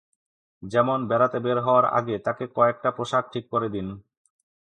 যেমন বেড়াতে বের হওয়ার আগে তাকে কয়েকটা পোশাক ঠিক করে দিন।